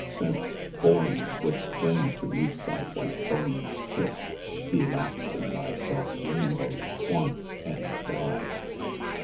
Sense — form — would spring to meet thy white foam^s [Idsc —■ Be lapped in thy soft rainbows., once, and die.